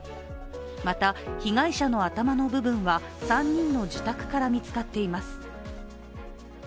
また、被害者の頭の部分は３人の自宅から見つかっています。